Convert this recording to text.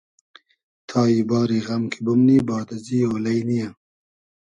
تای باری غئم کی بومنی باد ازی اۉلݷ نییۂ